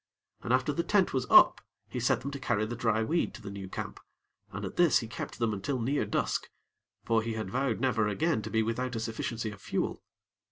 And after the tent was up, he set them to carry the dry weed to the new camp, and at this he kept them until near dusk; for he had vowed never again to be without a sufficiency of fuel.